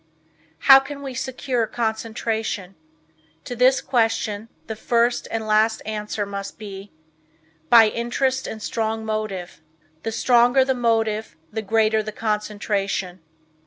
How can we secure concentration? To this question, the first and last answer must be: By interest and strong motive. The stronger the motive the greater the concentration.